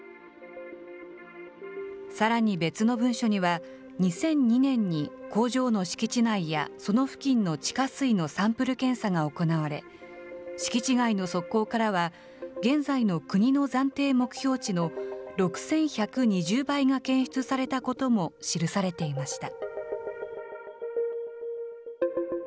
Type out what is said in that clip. さらに別の文書には、２００２年に工場の敷地内やその付近の地下水のサンプル検査が行われ、敷地外の側溝からは、現在の国の暫定目標値の６１２０倍が検出されたことも記されていました。